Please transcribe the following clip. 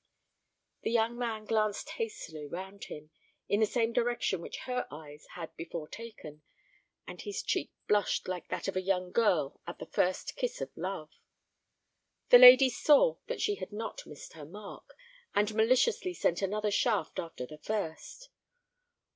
The young man glanced hastily round him, in the same direction which her eyes had before taken, and his cheek blushed like that of a young girl at the first kiss of love. The lady saw that she had not missed her mark, and maliciously sent another shaft after the first.